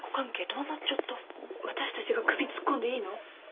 私たちが首突っ込んでいいの？